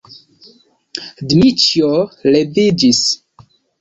Dmiĉjo leviĝis.